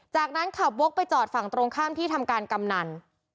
จากนั้นขับวกไปจอดฝั่งตรงข้ามที่ทำการกำนัน